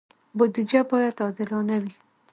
بودجه باید عادلانه وي